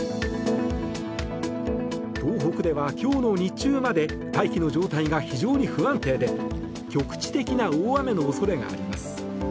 東北では今日の日中まで大気の状態が非常に不安定で局地的な大雨の恐れがあります。